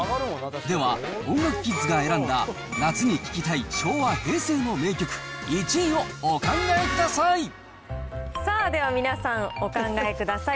では、音楽キッズが選んだ夏に聴きたい昭和・平成の名曲、さあ、では皆さん、お考えください。